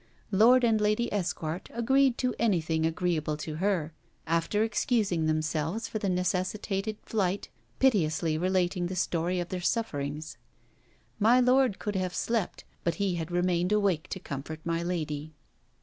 Lord and Lady Esquart agreed to anything agreeable to her, after excusing themselves for the necessitated flight, piteously relating the story of their sufferings. My lord could have slept, but he had remained awake to comfort my lady.